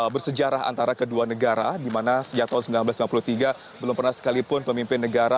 bersejarah antara kedua negara di mana sejak tahun seribu sembilan ratus sembilan puluh tiga belum pernah sekalipun pemimpin negara